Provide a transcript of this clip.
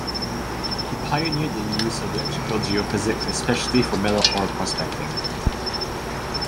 He pioneered the use of electrical geophysics, especially for metal-ore prospecting.